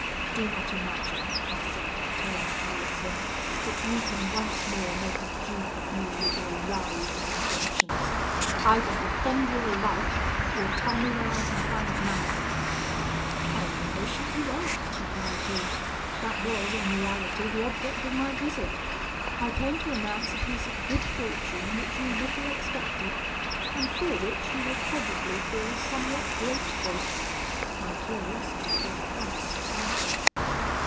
'Do not imagine,' I said, turning towards him, 'that you can once more make a dupe of me with your lies and inventions. Either defend your life, or tell me where I can find Manon.' 'How impatient you are!' replied he; 'that was in reality the object of my visit. I came to announce a piece of good fortune which you little expected, and for which you will probably feel somewhat grateful.' My curiosity was at once excited.